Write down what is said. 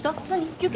休憩？